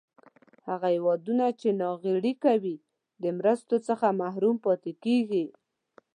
هغه هېوادونه چې ناغیړي کوي د مرستو څخه محروم پاتې کیږي.